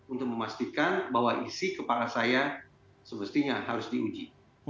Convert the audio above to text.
untuk memastikan bahwa isi kepala saya semestinya harus diuji